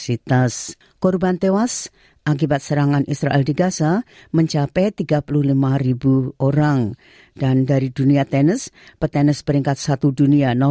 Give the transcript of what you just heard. secara tidak sengaja membentur kepalanya